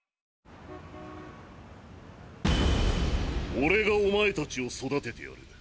俺がおまえ達を育ててやる。